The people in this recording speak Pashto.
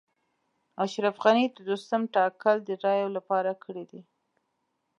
اشرف غني د دوستم ټاکل د رایو لپاره کړي دي